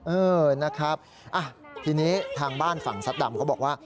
เออนะครับทีนี้ทางบ้านฝั่งซัดดำเขาบอกว่า